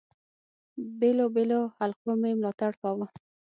بېلو بېلو حلقو مي ملاتړ کاوه.